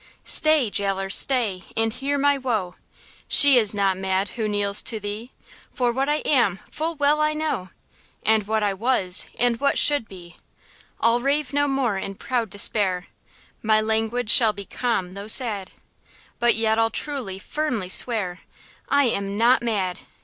Stay, jailer, stay, and hear my woe; She is not mad, who kneels to thee, For what I am, full well I know, And what I was, and what should be; I'll rave no more in proud despair– My language shall be calm tho' sad; But yet I'll truly, firmly swear, I am not mad!